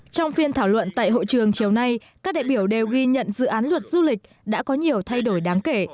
trong phiên thảo luận tại hội trường chiều nay các đại biểu đều ghi nhận dự án luật du lịch đã có nhiều thay đổi đáng kể